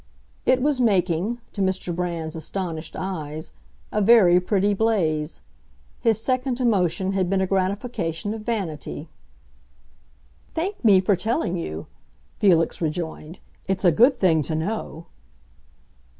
It was making, to Mr. Brand's astonished eyes, a very pretty blaze; his second emotion had been a gratification of vanity. "Thank me for telling you," Felix rejoined. "It's a good thing to know."